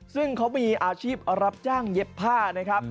ซึ่งเขามีอาชีพรับจ้างเย็บผ้านะครับ